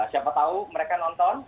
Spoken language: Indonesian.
siapa tahu mereka nonton